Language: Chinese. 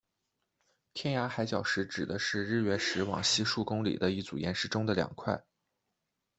天涯海角石指的是日月石往西数公里的一组岩石中的两块。